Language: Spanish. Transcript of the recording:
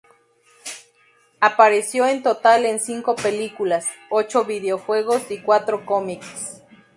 Apareció en total en cinco películas, ocho videojuegos y cuatro cómics.